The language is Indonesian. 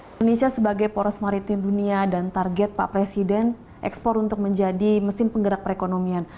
indonesia sebagai poros maritim dunia dan target pak presiden ekspor untuk menjadi mesin penggerak perekonomian